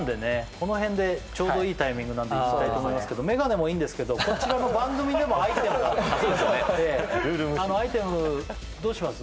このへんでちょうどいいタイミングなんでいきたいと思いますけどメガネもいいんですけどこちらの番組でもアイテムがあってアイテムどうします？